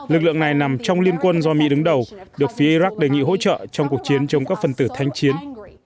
lực lượng này nằm trong liên quân do mỹ đứng đầu được phía iraq đề nghị hỗ trợ trong cuộc chiến chống các phần tử thanh chiến